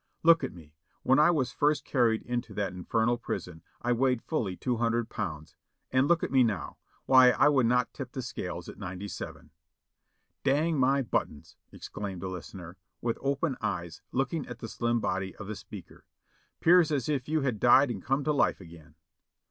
"Look at me; when I was first carried into that infernal prison I weighed fully two hundred pounds; and look at nie now, why 1 would not tip the scales at ninety seven." "Dang my buttons!" exclaimed a listener, with open eyes look ing at the slim body of the speaker, " 'pears as if you had died and come to life again."